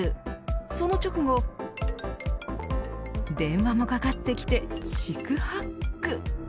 その直後電話もかかってきて四苦八苦。